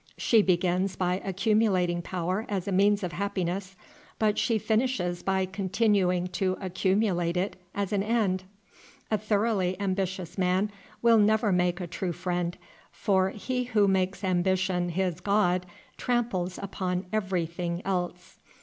She begins by accumulating power as a means of happiness, but she finishes by continuing to accumulate it as an end. A thoroughly ambitious man will never make a true friend, for he who makes ambition his god tramples upon every thing else.